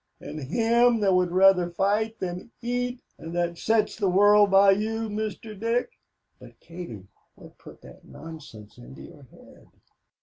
And him that would rather fight than eat and that sets the world by you, Mr. Dick." "But, Katie, what put that nonsense into your head?"